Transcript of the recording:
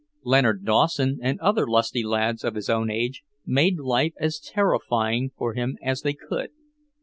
Leonard Dawson and other lusty lads of his own age made life as terrifying for him as they could.